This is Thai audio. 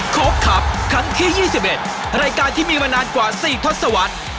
โค้กครับครั้งที่๒๑รายการที่มีมานานกว่า๔ทศวรรษ